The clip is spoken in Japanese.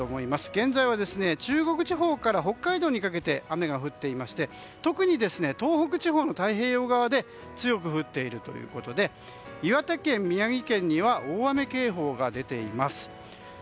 現在は中国地方から北海道にかけて雨が降っていまして特に東北地方の太平洋側で強く降っているということで岩手県、宮城県には大雨警報が出ています。